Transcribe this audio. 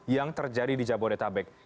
yang terjadi di jabodetabek